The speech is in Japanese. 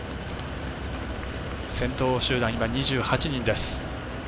先頭集団、２８人です。